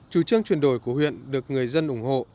chủ trương chuyển đổi của huyện được người dân ủng hộ